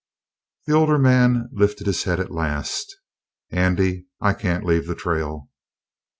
The older man lifted his head at last. "Andy, I can't leave the trail."